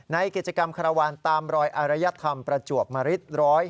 ในกิจกรรมคารวาลตามรอยอารยธรรมประจวบมริต๑๕